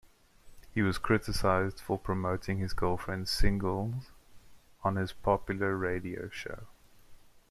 He was criticised for promoting his girlfriend's single on his popular radio show.